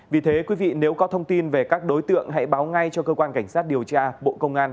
vì thế quý vị nếu có thông tin về các đối tượng hãy báo ngay cho cơ quan cảnh sát điều tra bộ công an